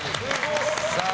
さあ